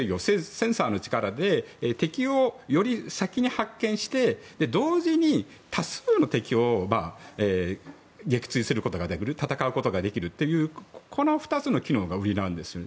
センサーの力で敵をより先に発見して同時に多数の敵を撃墜することができる戦うことができるというこの２つの機能が売りなんです。